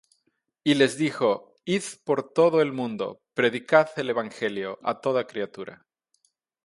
Y les dijo: Id por todo el mundo; predicad el evangelio á toda criatura.